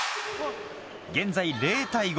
現在０対５。